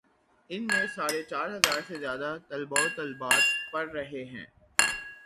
ان میں ساڑھے چار ہزار سے زیادہ طلبا و طالبات پڑھ رہے ہیں۔